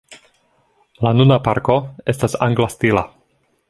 La nuna parko estas angla stila.